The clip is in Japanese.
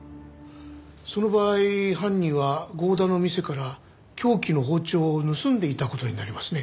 その場合犯人は剛田の店から凶器の包丁を盗んでいた事になりますね。